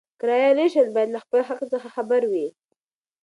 کرایه نشین باید له خپل حق څخه خبر وي.